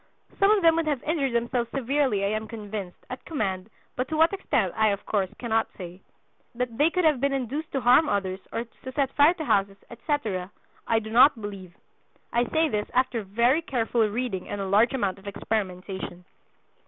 Some of them would have injured themselves severely, I am convinced, at command, but to what extent I of course cannot say. That they could have been induced to harm others, or to set fire to houses, etc., I do not believe. I say this after very careful reading and a large amount of experimentation."